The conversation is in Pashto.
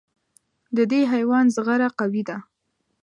د دې حیوان زغره قوي ده.